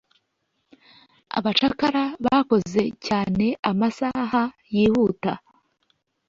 Abacakara bakoze cyane amasaha yihuta